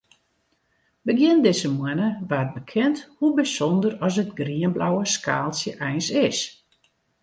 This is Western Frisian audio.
Begjin dizze moanne waard bekend hoe bysûnder as it grienblauwe skaaltsje eins is.